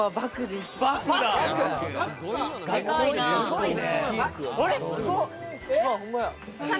すごいね。